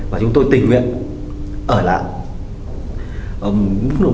và chúng tôi tình nguyện ở lại